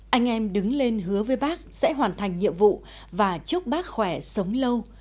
anh em đứng lên hứa với bác sẽ hoàn thành nhiệm vụ và chúc bác khỏe sống lâu